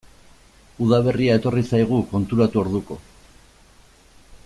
Udaberria etorri zaigu, konturatu orduko.